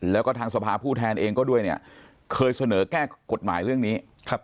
แล้วก็ทางสภาผู้แทนเองก็ด้วยเนี่ยเคยเสนอแก้กฎหมายเรื่องนี้